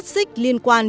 phát xích liên quan